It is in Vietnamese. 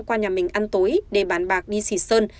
qua nhà mình ăn tối để bán bạc đi xịt sơn